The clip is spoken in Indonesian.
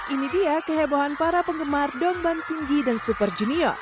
ini dia kehebohan para penggemar dongban singgi dan super junior